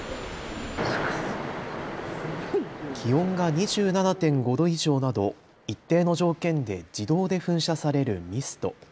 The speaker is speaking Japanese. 気温が２７．５度以上など一定の条件で自動で噴射されるミスト。